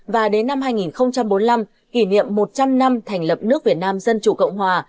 và đến năm hai nghìn bốn mươi năm kỷ niệm một trăm linh năm thành lập nước việt nam dân chủ cộng hòa